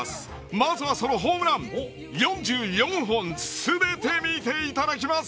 まずは、そのホームラン４４本すべて見ていただきます。